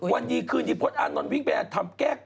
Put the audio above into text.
วันดีคืนที่พลอดอานนอนวิ่งไปทำแกล้ก